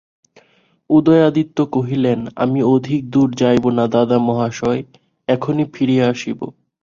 উদয়াদিত্য কহিলেন, আমি অধিক দূর যাইব না দাদামহাশয়, এখনই ফিরিয়া আসিব।